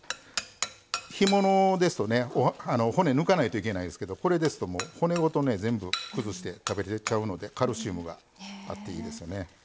干物ですと骨抜かないといけないんですけどこれですと、骨ごと全部崩して食べれちゃうのでカルシウムがあっていいですね。